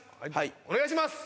お願いします